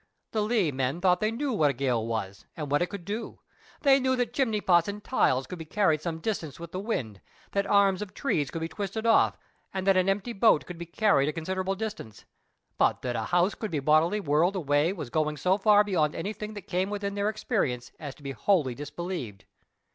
The Leigh men thought they knew what a gale was, and what it could do. They knew that chimney pots and tiles could be carried some distance with the wind, that arms of trees could be twisted off, and that an empty boat could be carried a considerable distance. But that a house could be bodily whirled away was going so far beyond anything that came within their experience as to be wholly disbelieved.